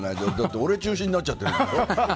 俺中心になっちゃってるでしょ。